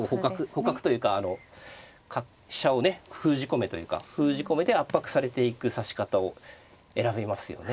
捕獲というか飛車をね封じ込めというか封じ込めて圧迫されていく指し方を選びますよね。